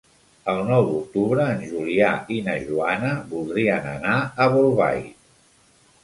El nou d'octubre en Julià i na Joana voldrien anar a Bolbait.